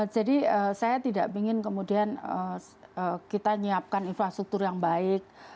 jadi saya tidak ingin kemudian kita nyiapkan infrastruktur yang baik